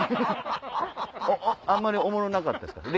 あんまりおもろなかったですか？